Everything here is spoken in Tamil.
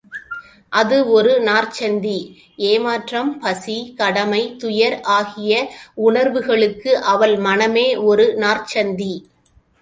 அது ஒரு நாற்சந்தி, ஏமாற்றம், பசி, கடமை, துயர் ஆகிய உணர்வுகளுக்கு அவள் மனமே ஒரு நாற்சந்தி.